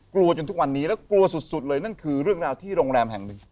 จนทุกวันนี้แล้วกลัวสุดเลยนั่นคือเรื่องราวที่โรงแรมแห่งหนึ่ง